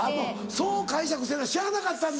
そう解釈せなしゃあなかったんだ。